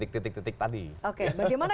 titik titik tadi oke bagaimana